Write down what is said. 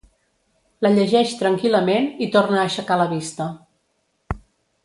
La llegeix tranquil·lament i torna a aixecar la vista.